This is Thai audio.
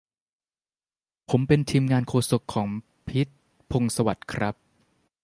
ผมเป็นทีมงานโฆษกของ พิชญ์ พงษ์สวัสดิ์ ครับ